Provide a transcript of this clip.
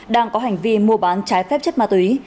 đang có hành vi mua bán trái phép chất ma túy